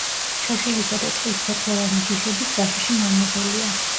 ხეხილისა და ტყის ფოთლოვანი ჯიშების საშიში მავნებელია.